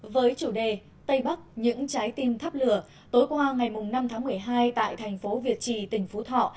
với chủ đề tây bắc những trái tim tháp lửa tối qua ngày năm tháng một mươi hai tại thành phố việt trì tỉnh phú thọ